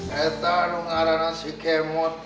kita udah ngerana kemot